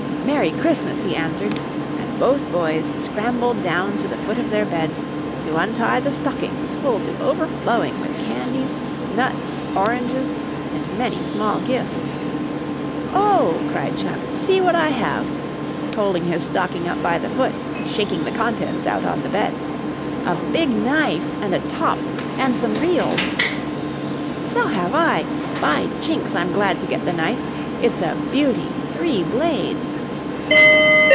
"Merry Christmas," he answered, and both boys scrambled down to the foot of their beds to untie the stockings full to overflowing with candies, nuts, oranges and many small gifts. "Oh!" cried Chuck, "see what I have," holding his stocking up by the foot and shaking the contents out on the bed. "A big knife, and a top, and some reals." "So have I! By jinks, I'm glad to get the knife, it's a beauty, three blades!"